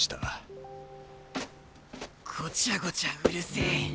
ごちゃごちゃうるせえ。